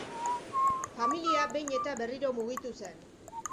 Familia behin eta berriro mugitu zen.